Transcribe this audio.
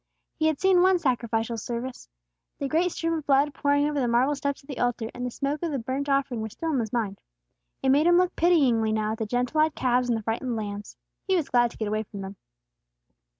He had seen one sacrificial service; the great stream of blood pouring over the marble steps of the altar, and the smoke of the burnt offering were still in his mind. It made him look pityingly now at the gentle eyed calves and the frightened lambs. He was glad to get away from them.